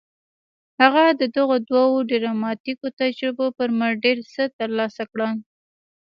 هغه د دغو دوو ډراماتيکو تجربو پر مټ ډېر څه ترلاسه کړل.